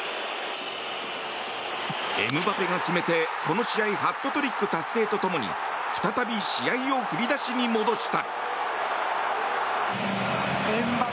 エムバペが決めて、この試合ハットトリック達成とともに再び試合を振り出しに戻した。